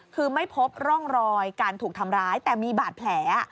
คือไม่พบร่องรอยการถูกทำร้ายแต่มีบาดแผล